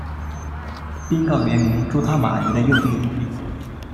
宾告原名朱他玛尼的幼弟。